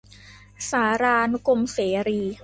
สารานุกรมเสรี